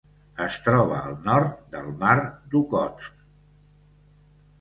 Es troba al nord del Mar d'Okhotsk.